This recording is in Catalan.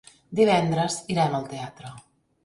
Divendres irem al teatre.